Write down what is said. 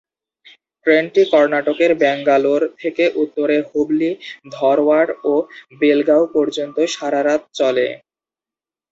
ট্রেনটি কর্ণাটকের ব্যাঙ্গালোর থেকে উত্তরে হুবলি-ধরওয়াড় ও বেলগাঁও পর্যন্ত সারারাত চলে।